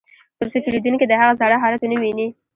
ترڅو پیرودونکي د هغه زاړه حالت ونه ویني